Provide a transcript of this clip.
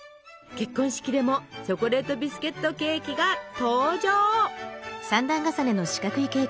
結婚式でもチョコレートビスケットケーキが登場！